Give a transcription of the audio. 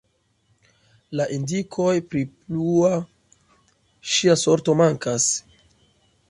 La indikoj pri plua ŝia sorto mankas.